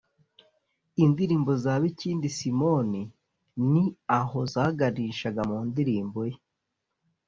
indirimbo za bikindi simon ni aho zaganishaga mu ndirimbo ye